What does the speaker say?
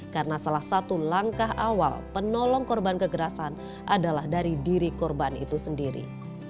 karena salah satu langkah awal penolong korban kekerasan adalah dari diri korban itu sendiri